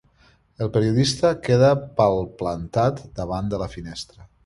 El periodista queda palplantat davant de la finestra.